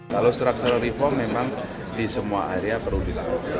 kalau structual reform memang di semua area perlu dilakukan